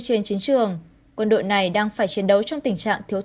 trên chiến trường quân đội này đang phải chiến đấu trong tình trạng thiếu